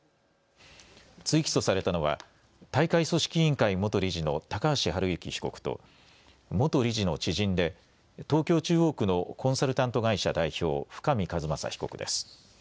追起訴されたのは大会組織委員会元理事の高橋治之被告と元理事の知人で東京中央区のコンサルタント会社代表、深見和政被告です。